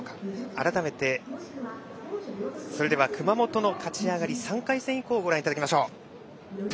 改めて、熊本の勝ち上がり３回戦以降をご覧いただきます。